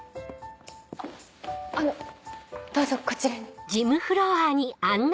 あのどうぞこちらに。